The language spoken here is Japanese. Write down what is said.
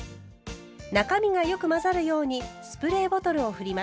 中身がよく混ざるようにスプレーボトルを振ります。